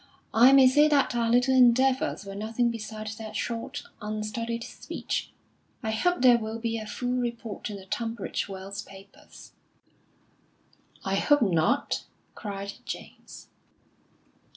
I may say that our little endeavours were nothing beside that short, unstudied speech. I hope there will be a full report in the Tunbridge Wells papers." "I hope not!" cried James.